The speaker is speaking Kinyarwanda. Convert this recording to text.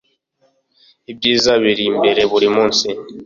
Ibyiza biri imbere buri munsi